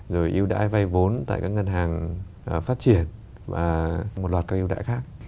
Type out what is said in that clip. rồi yêu đãi vay vốn tại các ngân hàng phát triển và một loạt các ưu đãi khác